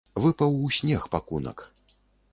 Выпаў у снег пакунак.